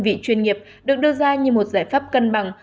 các đơn vị chuyên nghiệp được đưa ra như một giải pháp cân bằng